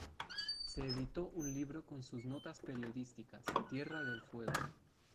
Se editó un libro con sus notas periodísticas, "Tierra del Fuego.